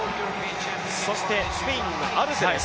そしてスペインのアルセです。